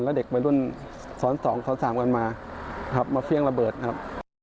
แล้วเด็กไปรุ่นสอน๒สอน๓กันมามาเฟี้ยงระเบิดครับ